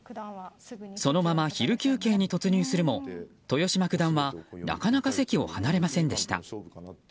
そのまま昼休憩に突入するも豊島九段はなかなか席を離れませんでした。